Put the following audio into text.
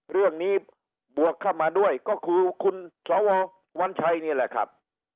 เรื่องนี้บวกเข้ามาด้วยก็คือคุณสวววววันชัยนี่แหละครับ